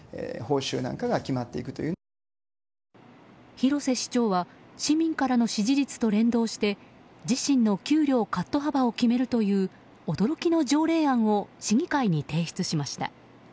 広瀬市長は市民からの支持率と連動して自身の給料カット幅を決めるという驚きの条例案を市議会に提出しました。